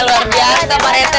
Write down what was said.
terima kasih pak rente